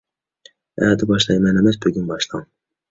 ئەتە باشلايمەن ئەمەس، بۈگۈن باشلاڭ.